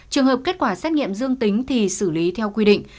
trường hợp kết quả xét nghiệm dương tính thì xử lý theo quy định